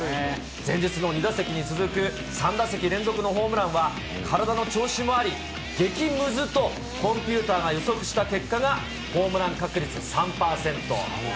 前日の２打席に続く３打席連続のホームランは、体の調子もあり、激むずとコンピューターが予測した結果が、ホームラン確率３％。